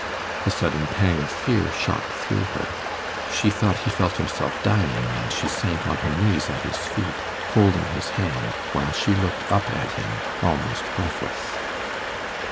A sudden pang of fear shot through her. She thought he felt himself dying, and she sank on her knees at his feet, holding his hand, while she looked up at him, almost breathless.